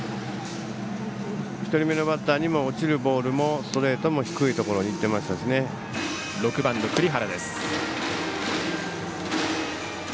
１人目のバッターにも落ちるボールもストレートも低いところにバッターは６番、栗原。